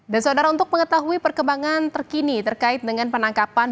dan saudara untuk mengetahui perkembangan terkini terkait dengan penangkapan